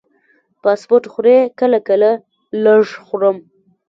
فاسټ فوډ خورئ؟ کله کله، لږ خورم